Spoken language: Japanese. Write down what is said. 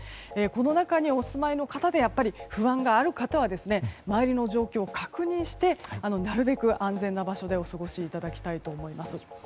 この中にお住まいの方で不安がある方は周りの状況を確認してなるべく安全な場所でお過ごしいただきたいと思います。